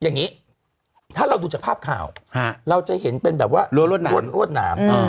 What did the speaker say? อย่างงี้ถ้าเราดูจากภาพข่าวฮะเราจะเห็นเป็นแบบว่ารวดรวดหนามรวดรวดหนามอืม